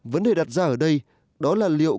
vấn đề đặt ra ở đây đó là liệu